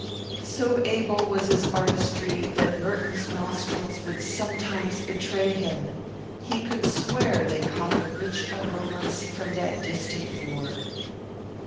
So able was his artistry that Merton's nostrils would sometimes betray him he could swear they caught rich aromas from that distant board.